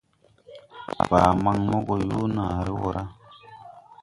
Baa maŋ mo gɔ yoo naare wɔ ra.